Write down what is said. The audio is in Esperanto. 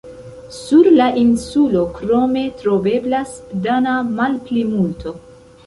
Sur la insulo krome troveblas dana malplimulto.